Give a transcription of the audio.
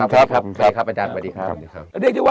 สวัสดีครับอาจารย์